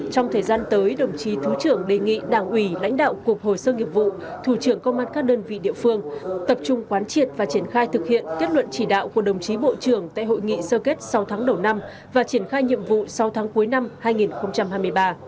trong thời gian tới đồng chí thứ trưởng đề nghị đảng ủy lãnh đạo cục hồ sơ nghiệp vụ thủ trưởng công an các đơn vị địa phương tập trung quán triệt và triển khai thực hiện kết luận chỉ đạo của đồng chí bộ trưởng tại hội nghị sơ kết sáu tháng đầu năm và triển khai nhiệm vụ sáu tháng cuối năm hai nghìn hai mươi ba